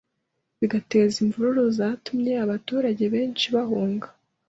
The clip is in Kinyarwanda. bigateza imvururu zatumye abaturage benshi bahunga